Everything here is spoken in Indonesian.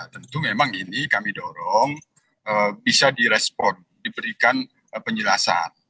tentu memang ini kami dorong bisa direspon diberikan penjelasan